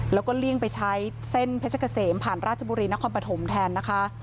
แล้วก็เลี่ยงไปใช้เส้นเพชรเกษมผ่านราชบุรีนครปฐมแทนนะคะ